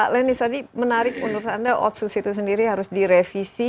lenis tadi menarik menurut anda otsus itu sendiri harus direvisi